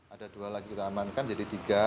ada dua lagi kita amankan jadi tiga